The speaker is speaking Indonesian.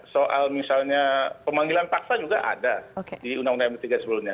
soal misalnya pemanggilan paksa juga ada di undang undang md tiga sebelumnya